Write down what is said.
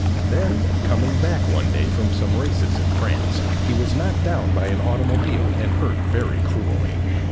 Then coming back one day from some races in France, he was knocked down by an automobile and hurt very cruelly.